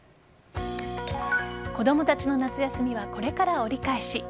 子供たちの夏休みはこれから折り返し。